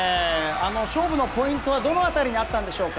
勝負のポイントはどのあたりにあったんでしょうか。